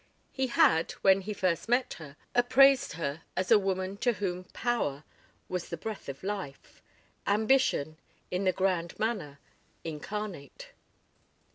He had, when he first met her, appraised her as a woman to whom power was the breath of life. Ambition in the grand manner incarnate.